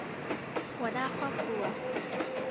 หัวหน้าครอบครัว